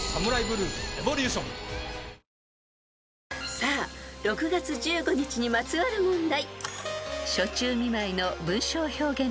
［さあ６月１５日にまつわる問題］